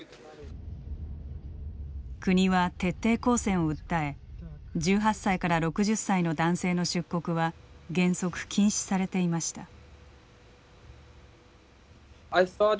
国は徹底抗戦を訴え１８歳から６０歳の男性の出国は原則禁止されていました。